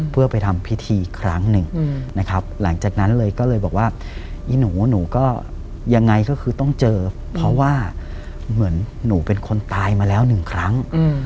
เพื่อไปทำพิธีอีกครั้งหนึ่ง